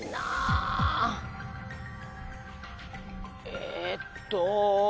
えっと。